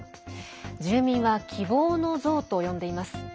住民は、希望の像と呼んでいます。